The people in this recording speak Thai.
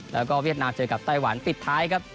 แล้วก็เวียดนามเจอกับไต้หวันปิดท้ายครับ